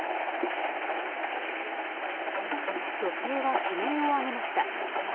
女性は悲鳴を上げました。